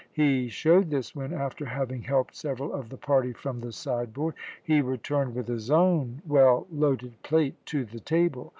He showed this when, after having helped several of the party from the side board, he returned with his own well loaded plate to the table.